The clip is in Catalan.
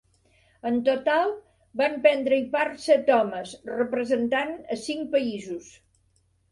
En total van prendre-hi part set homes representant a cinc països.